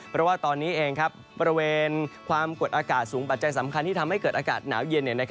เพราะว่าตอนนี้เองบริเวณความกดอากาศสูงปัจจัยสำคัญที่ทำให้เกิดอากาศหนาวเย็น